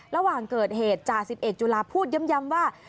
ระหว่างเกิดเหตุจ่า๑๑จุลาพูดย้ำว่า